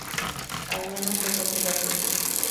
Al menos, es lo que ella piensa.